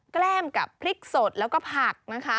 แก้มกับพริกสดแล้วก็ผักนะคะ